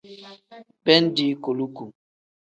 Bindi kuluku.